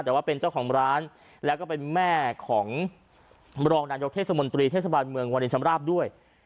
แต่ว่าเป็นเจ้าของร้านแล้วก็เป็นแม่ของรองนายกเทศมนตรีเทศบาลเมืองวาลินชำราบด้วย